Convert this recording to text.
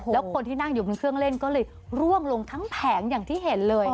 แล้วคนที่นั่งอยู่บนเครื่องเล่นก็เลยร่วงลงทั้งแผงอย่างที่เห็นเลย